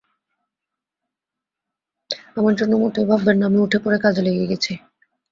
আমার জন্য মোটেই ভাববেন না, আমি উঠে-পড়ে কাজে লেগে গেছি।